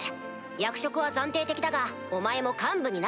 役職は暫定的だがお前も幹部になる。